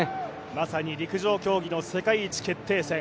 まさに陸上競技の世界一決定戦。